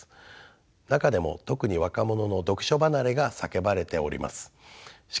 中でも特に若者の読書離れが叫ばれております。